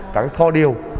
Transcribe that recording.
các thò điều